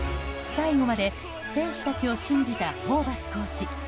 最後まで選手たちを信じたホーバスコーチ。